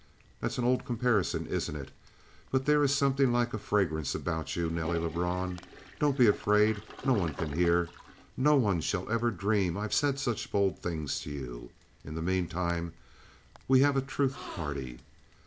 That's an old comparison, isn't it? But there is something like a fragrance about you, Nelly Lebrun. Don't be afraid. No one can hear; no one shall ever dream I've said such bold things to you. In the meantime, we have a truth party.